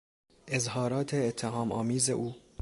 اظهارات اتهامآمیز او